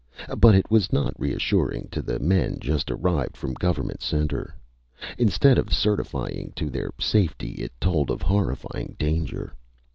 But it was not reassuring to the men just arrived from Government Center. Instead of certifying to their safety, it told of horrifying danger.